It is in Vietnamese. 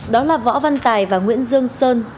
đó là võ văn tài và nguyễn dương sơn